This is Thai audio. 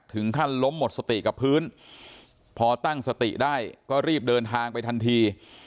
ถึงขั้นล้มหมดสติกับพื้นพอตั้งสติได้ก็รีบเดินทางไปทันที